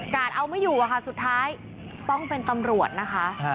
เอาไม่อยู่อะค่ะสุดท้ายต้องเป็นตำรวจนะคะ